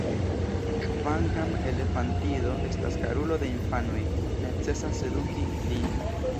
Kvankam elefantido estas karulo de infanoj, necesas eduki lin.